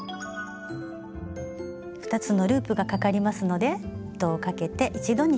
２つのループがかかりますので糸をかけて一度に引き抜きます。